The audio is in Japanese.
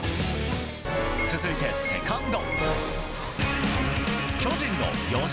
続いて、セカンド。